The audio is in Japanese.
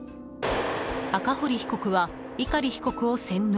赤堀被告は碇被告を洗脳。